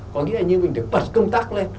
có nghĩa là như mình được bật công tác lên